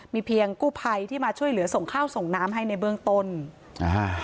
มีเพียงกู้ภัยที่มาช่วยเหลือส่งข้าวส่งน้ำให้ในเบื้องต้นอ่าฮะ